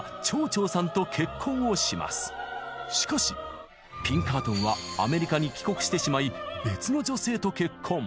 しかしピンカートンはアメリカに帰国してしまい別の女性と結婚。